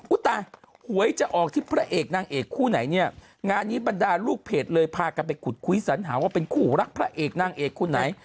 ตายหวยจะออกที่พระเอกนางเอกคู่ไหนเนี่ยงานนี้บรรดาลูกเพจเลยพากันไปขุดคุยสัญหาว่าเป็นคู่รักพระเอกนางเอกคนไหน